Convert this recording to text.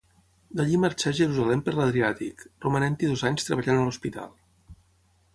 D'allí marxà a Jerusalem per l'Adriàtic, romanent-hi dos anys treballant a l'hospital.